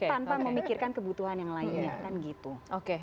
tanpa memikirkan kebutuhan yang lainnya